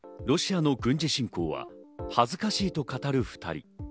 ロシアの軍事侵攻は恥ずかしいと語る２人。